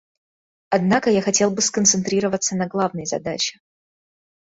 Однако я хотел бы сконцентрироваться на главной задаче.